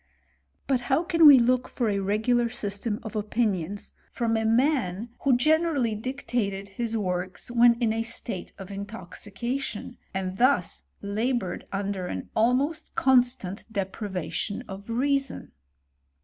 But how can we look for a regular system of opinions from a man who generally dictated his ivork^ when in a state of intoxication, and thus laboured under an almost constant deprivation of reason.